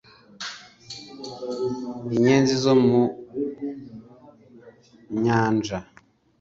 inyenzi zo mu nyanja